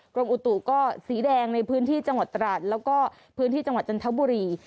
กรมอุตุก็สีแดงในพื้นที่จังหวัดตราดแล้วก็พื้นที่จังหวัดจันทบุรี